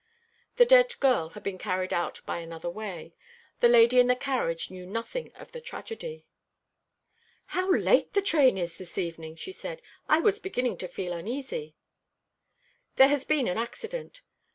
The dead girl had been carried out by another way. The lady in the carriage knew nothing of the tragedy. "How late the train is this evening!" she said. "I was beginning to feel uneasy." "There has been an accident."